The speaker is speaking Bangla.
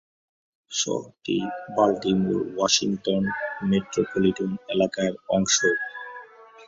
শহরটি বাল্টিমোর-ওয়াশিংটন মেট্রোপলিটন এলাকার অংশ।